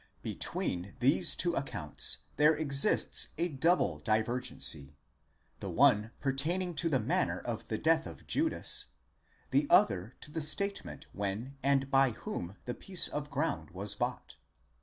Between these two accounts there exists a double divergency : the one per taining to the manner of the death of Judas, the other to the statement when and by whom the piece of ground was bought.